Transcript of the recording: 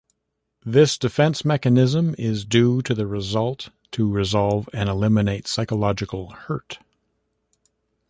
This defense mechanism is due to the result to resolve and eliminate psychological hurt.